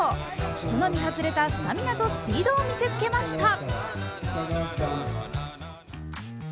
人並み外れたスタミナとスピードを見せつけました。